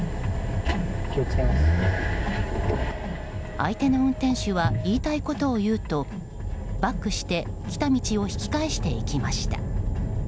相手の運転手は言いたいことを言うとバックして来た道を引き返していきました。